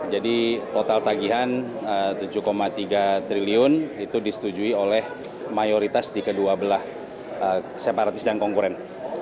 total tagihan rp tujuh tiga triliun itu disetujui oleh mayoritas di kedua belah separatis dan konkuren